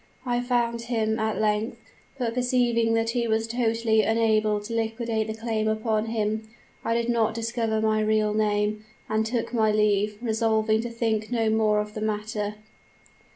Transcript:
"I found him, at length, but perceiving that he was totally unable to liquidate the claim upon him, I did not discover my real name, and took my leave, resolving to think no more of the matter.